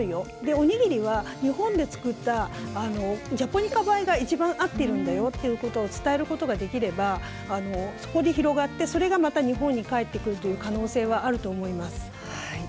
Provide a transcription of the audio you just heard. おにぎりは日本で作ったジャポニカ米が一番合っているんだよっていうことを伝えることができればそこで広がって、それがまた日本に返ってくるという可能性はあると思います。